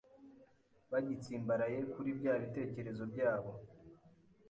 bagitsimbaraye kuri bya bitekerezo byabo